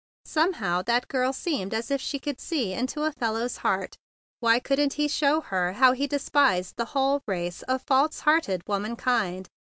Some¬ how that girl seemed as if she could see into a fellow's heart. Why couldn't he THE BIG BLUE SOLDIER 51 show her how he despised the whole race of false hearted womankind?